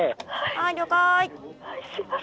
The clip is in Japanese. はい了解。